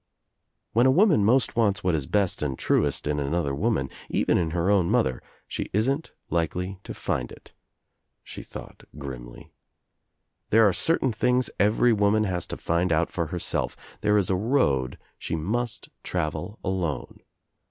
"When a woman most wants what is best and truest in another woman, even in her own mother, she isn't likely to find it," she thought grimly. "There are certain things every woman has to find out for herself, there is a road she must travel I I I I OUT OF NOWHERE INTO NOTHING 185 alone.